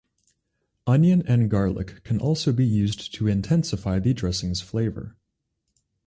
Onion and garlic can also be used to intensify the dressing's flavor.